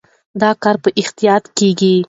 دا کار په احتیاط کېږي.